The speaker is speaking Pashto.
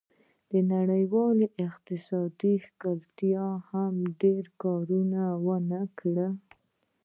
د نړیوال اقتصاد کې ښکېلتیا به هم ډېر کار و نه کړي.